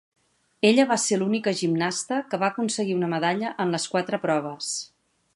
Ella va ser l'única gimnasta que va aconseguir una medalla en les quatre proves.